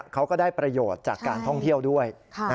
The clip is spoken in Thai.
เขาก็ได้ประโยชน์จากการท่องเที่ยวด้วย